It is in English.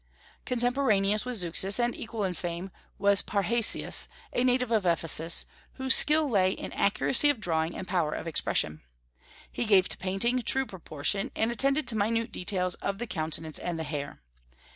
Contemporaneous with Zeuxis, and equal in fame, was Parrhasius, a native of Ephesus, whose skill lay in accuracy of drawing and power of expression. He gave to painting true proportion, and attended to minute details of the countenance and the hair.